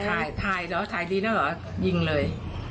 ถ่ายถ่ายเหรอถ่ายดีแล้วเหรอยิงเลย